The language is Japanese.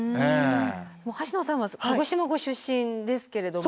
はしのさんは鹿児島ご出身ですけれども。